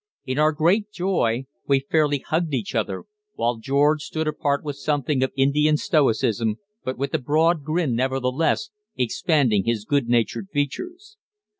In our great joy we fairly hugged each other, while George stood apart with something of Indian stoicism, but with a broad grin, nevertheless, expanding his good natured features.